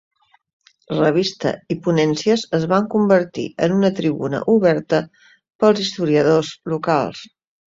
Revista i ponències es van convertir en una tribuna oberta per als historiadors locals.